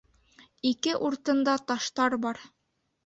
- Ике уртында таштар бар.